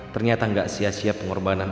ternyata nggak sia sia pengorbanan